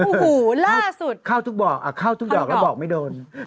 โอ้โหล่าสุดเข้าทุกดอกอ่ะเข้าทุกดอกแล้วบอกไม่โดน